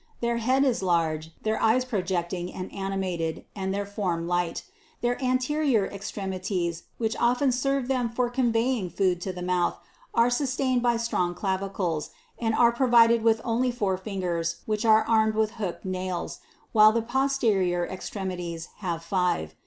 (Plate k.jig. 7.) Their head is large, their eyes projecting and animated, and their form light ; their anterior extremities, which often serve them for conveying food to the mouth, are sustained by strong clavicles, and are provided with only four fingers which are armed with hooked nails, while the posterior extremities have five.